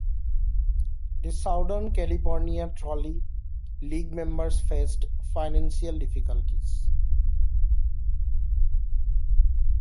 The Southern California Trolley League members faced financial difficulties.